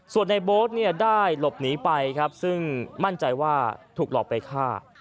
ส่วนในโบ๊ทเนี่ยได้หลบหนีไปครับซึ่งมั่นใจว่าถูกหลอกไปฆ่า